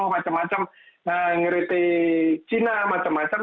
macam macam ngeriti cina macam macam